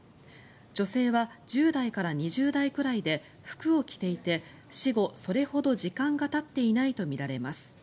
女性は１０代から２０代くらいで服を着ていて死後、それほど時間がたっていないとみられます。